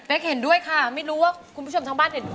เห็นด้วยค่ะไม่รู้ว่าคุณผู้ชมทางบ้านเห็น